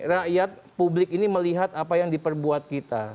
rakyat publik ini melihat apa yang diperbuat kita